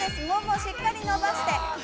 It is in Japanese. ももをしっかり伸ばして。